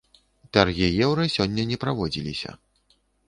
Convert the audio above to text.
Таргі еўра сёння не праводзіліся.